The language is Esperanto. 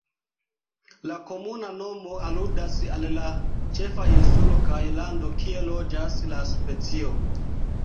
La komuna nomo aludas al la ĉefa insulo kaj lando kie loĝas la specio.